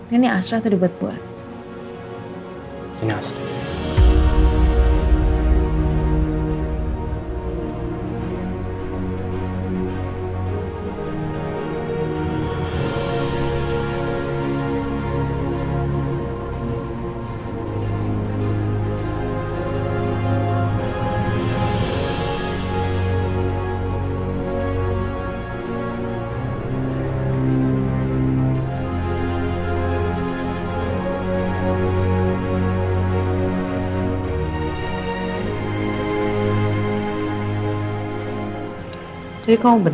ini asrah atau dibuat